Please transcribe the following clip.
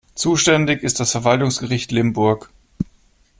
Zuständig ist das Verwaltungsgericht Limburg.